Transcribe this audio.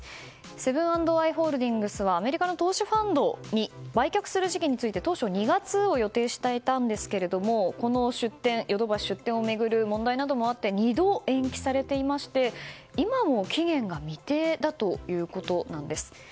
セブン＆アイ・ホールディングスはアメリカの投資ファンドに売却する時期について当初２月を予定していたんですがヨドバシ出店を巡る問題などもあって２度延期されていまして今も期限が未定だということです。